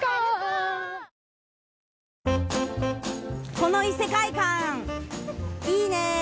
この異世界感いいね！